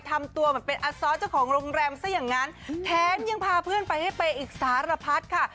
ทำตัวเหมือนเป็นอซอสเจ้าของโรงแรมซะอย่างนั้นแถมยังพาเพื่อนไปให้ไปอีกสารพัดค่ะ